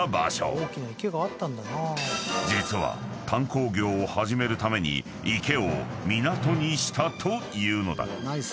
［実は炭鉱業を始めるために池を港にしたというのだ］